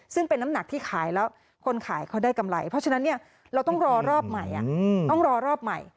ซึ่งเป็นน้ำหนักที่ขายแล้วคนขายเขาได้กำไรเพราะฉะนั้นเราต้องรอรอบใหม่ต้องรอรอบใหม่